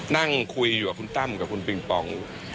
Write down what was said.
นั่งคุยอยู่กับคุณตั้มกับคุณปิงปอง